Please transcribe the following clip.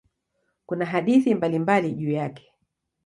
Kuna hadithi mbalimbali juu yake.